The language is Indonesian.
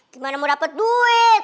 gimana mau dapet duit